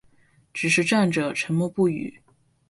只是站着沉默不语